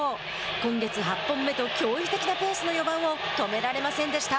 今月８本目と驚異的なペースの４番を止められませんでした。